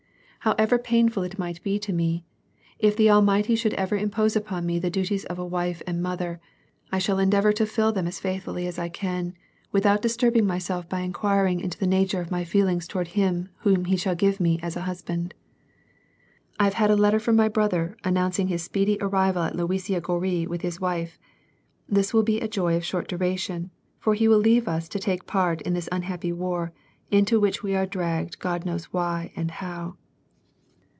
However painful it might be to me, if the Almighty should ever impose upon me the duties of a wife and mother, I shall endeavor to till them as faithfully as I can, without disturbing myself by inquiring into the nature of my feelings toward him whom He shall give me as a husband. • I have had a letter from my brother, announcing his speedy arrival at Luisiya Gorui with his wife. This will be a joy of short duration, for he will leave us to take part in this un happy war, into which we are dragged God knows why and how.